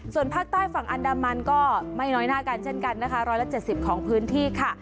ส่วนภาคใต้ฝั่งอันดามันก็ไม่น้อยหน้ากันเช่นกันนะคะ๑๗๐ของพื้นที่ค่ะ